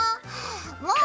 もう！